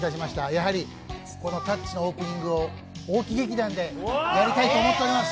やはりこの「タッチ」のオープニングを大木劇団でやりたいと思っています。